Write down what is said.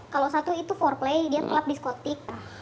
kalau satu itu foreplay dia kelab diskotik